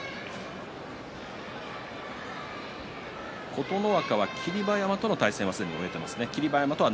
琴ノ若は霧馬山との対戦は七日目に終えています。